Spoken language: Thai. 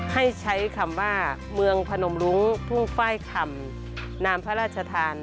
ให้ใช้คำว่าเมืองพนมรุ้งทุ่งไฟล์คำนามพระราชทาน